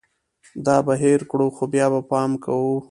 دا به هېر کړو ، خو بیا به پام کوو